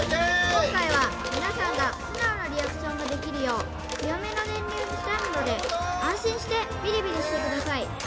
今回は皆さんが素直なリアクションができるよう強めの電流にしてあるので安心してビリビリしてください